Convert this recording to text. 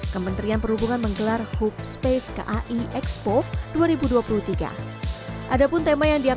kementerian perhubungan ri bandai